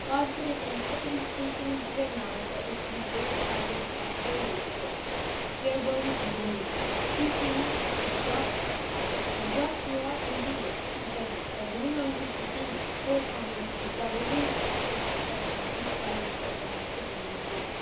" God put an interpretation into their mouths that was to be verified in the posterity of Joseph. Jeroboam and Jehu, two kings, and Joshua and Gideon, two judges, have been among his descendants, corresponding to the double and emphatic expressions used by his brethren in interpreting the dream.